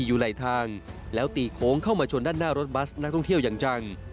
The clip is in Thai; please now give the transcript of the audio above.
อยู่ไหลทางแล้วตีโค้งเข้ามาชนด้านหน้ารถบัสนักท่องเที่ยวอย่างจัง